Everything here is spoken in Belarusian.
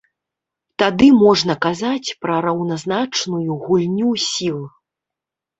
Тады можна казаць пра раўназначную гульню сіл.